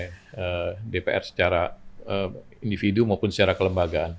harapan publik itu bisa diwujudkan oleh dpr secara individu maupun secara kelembagaan